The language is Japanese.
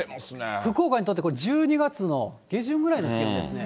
福岡にとってこれ、１２月の下旬ぐらいの気温ですね。